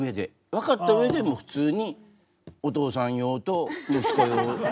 分かった上でもう普通にお父さん用と息子用。